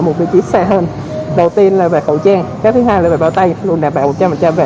một vị trí xa hơn đầu tiên là về khẩu trang cái thứ hai là về bao tay luôn đảm bảo một trăm linh về